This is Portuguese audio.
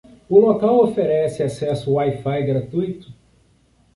O local oferece acesso Wi-Fi gratuito?